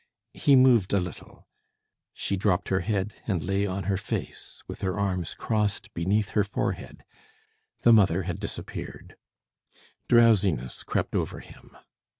He moved a little; she dropped her head, and lay on her face, with her arms crossed beneath her forehead. The mother had disappeared. Drowsiness crept over him.